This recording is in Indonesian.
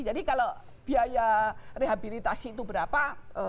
jadi kalau biaya rehabilitasi itu berapa